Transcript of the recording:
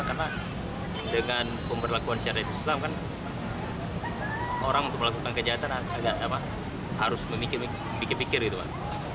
karena dengan pemberlakuan syariat islam kan orang untuk melakukan kejahatan harus memikir mikir gitu pak